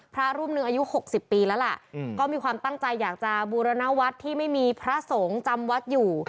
พระรูปหนึ่งอายุ๖๐ปีแล้วล่ะก็มีความตั้งใจอยากจะบูรณวัฒน์ที่ไม่มีพระสงฆ์จำวัดอยู่